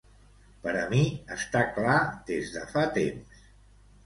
Per a mi està clar des de fa temps.